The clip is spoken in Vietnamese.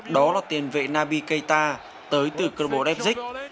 đó là tiền về naby keita tới từ cơ bộ depsic